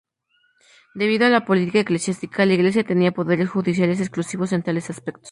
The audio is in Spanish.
Debido a la política eclesiástica, la Iglesia tenía poderes judiciales exclusivos en tales aspectos.